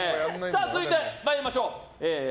続いて参りましょう。